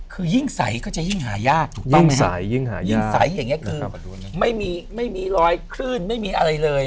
คือยิ่งใสก็จะยิ่งหายากยิ่งใสอย่างนี้คือไม่มีรอยคลื่นไม่มีอะไรเลย